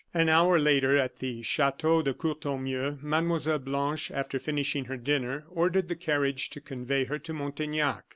An hour later, at the Chateau de Courtornieu, Mlle. Blanche, after finishing her dinner, ordered the carriage to convey her to Montaignac.